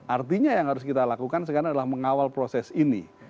artinya yang harus kita lakukan sekarang adalah mengawal proses ini